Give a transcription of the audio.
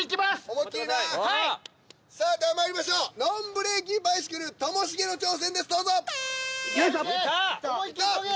思いっきりなはいさあではまいりましょうＮＯＮブレーキバイシクルともしげの挑戦ですどうぞ・いけ・思いっきりこげ！